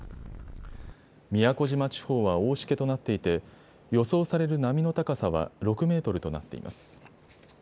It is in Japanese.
宮古島地方は大しけとなっていて予想される波の高さは６メートルとなっています。